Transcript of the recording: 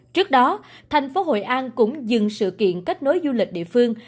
trước đó thành phố hội an cũng dừng sự kiện kết nối du lịch địa phương